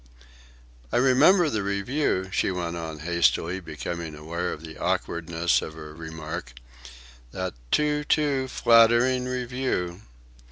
"I remember the review," she went on hastily, becoming aware of the awkwardness of her remark; "that too, too flattering review."